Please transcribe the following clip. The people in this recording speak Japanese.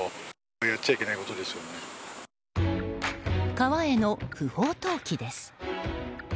川への不法投棄です。